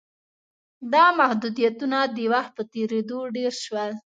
دا محدودیتونه د وخت په تېرېدو ډېر شول.